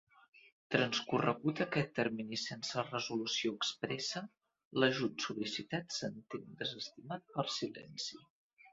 Transcorregut aquest termini sense resolució expressa, l'ajut sol·licitat s'entén desestimat per silenci.